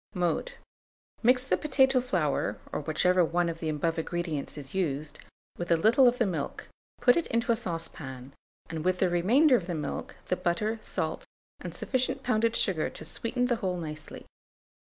Mode. Mix the potato flour, or whichever one of the above ingredients is used, with a little of the milk; put it into a saucepan, with the remainder of the milk, the butter, salt, and sufficient pounded sugar to sweeten the whole nicely.